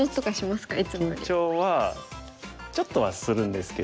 緊張はちょっとはするんですけど。